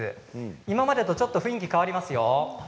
今までとちょっと雰囲気が変わりますよ。